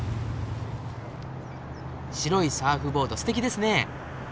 白いサーフボードすてきですね。